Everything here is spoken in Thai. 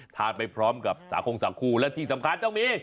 ไปพร้อมกับสาคงสาคูและที่สำคัญต้องมี